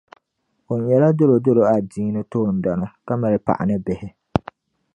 O nyɛla dolodolo adiini toondana ka mali paɣa ni bihi.